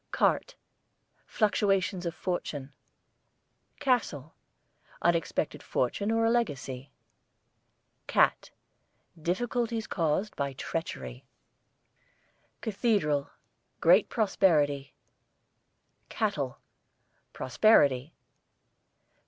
CART, fluctuations of fortune. CASTLE, unexpected fortune or a legacy. CAT, difficulties caused by treachery. CATHEDRAL, great prosperity. CATTLE, prosperity.